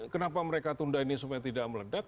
kenapa mereka tunda ini supaya tidak meledak